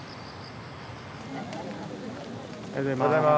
おはようございます。